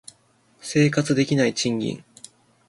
生活できない賃金